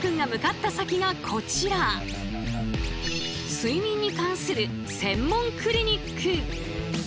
睡眠に関する専門クリニック！